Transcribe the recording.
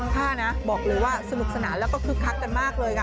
ผ้านะบอกเลยว่าสนุกสนานแล้วก็คึกคักกันมากเลยค่ะ